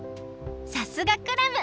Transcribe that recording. さすがクラム！